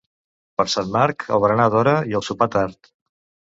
Per Sant Marc, el berenar d'hora i el sopar tard.